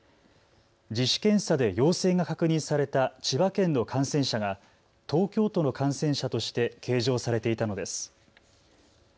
自主検査で陽性が確認された千葉県の感染者が東京都の感染者として計上されていたのです。